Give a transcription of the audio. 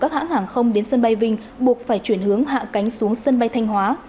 các hãng hàng không đến sân bay vinh buộc phải chuyển hướng hạ cánh xuống sân bay thanh hóa